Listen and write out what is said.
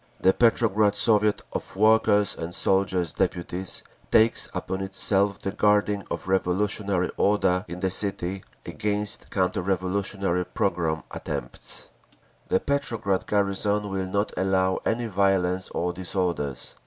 The Petrograd Soviet of Workers' and Soldiers' Deputies takes upon itself the guarding of revolutionary order in the city against counter revolutionary and pogrom attempts. The Petrograd garrison will not allow any violence or disorders.